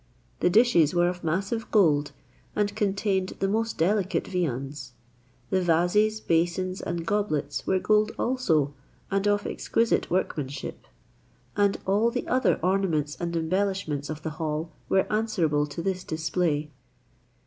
The dishes were of massive gold, and contained the most delicate viands. The vases, basins, and goblets, were gold also, and of exquisite workmanship, and all the other ornaments and embellishments of the hall were answerable to this display.